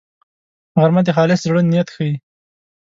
غرمه د خالص زړه نیت ښيي